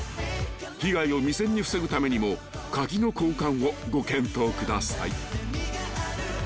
［被害を未然に防ぐためにも鍵の交換をご検討ください］